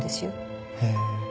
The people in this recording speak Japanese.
へえ。